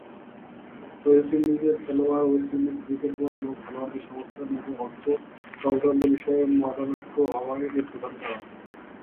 West ইন্ডিজের খেলায়াড়, West Indies cricket board এবং খেলোয়াড়দের সংস্থার মধ্যে অর্থ সংক্রান্ত বিষয়ে মতানৈক্য হওয়াই এর প্রধান কারণ।